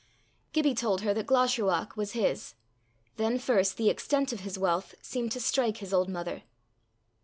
Gibbie told her that Glashruach was his. Then first the extent of his wealth seemed to strike his old mother.